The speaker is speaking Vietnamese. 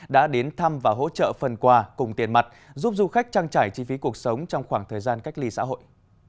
đã đến thăm và hỗ trợ phần quà cùng tiền mặt giúp du khách trang trải chi phí cuộc sống trong khoảng thời gian cách ly xã hội